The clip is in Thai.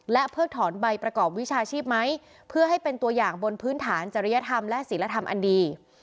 เพิกถอนใบประกอบวิชาชีพไหมเพื่อให้เป็นตัวอย่างบนพื้นฐานจริยธรรมและศิลธรรมอันดี